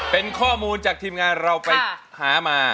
เป็นข้อมูลจากทีมงานเราไปหามา